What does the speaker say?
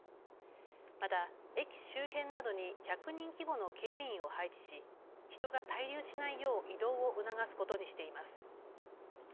また駅周辺などに１００人規模の警備員を配置し人が滞留しないよう移動を促すことにしています。